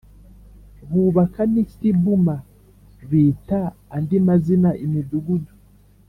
Bubaka n i Sibuma bita andi mazina imidugudu